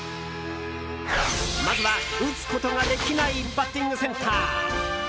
まずは、打つことができないバッティングセンター。